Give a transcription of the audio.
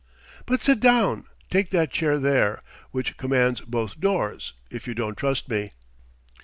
"But sit down: take that chair there, which commands both doors, if you don't trust me."